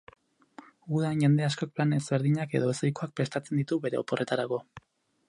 Udan jende askok plan ezberdinak edo ez ohikoak prestatzen ditu bere oporretarako.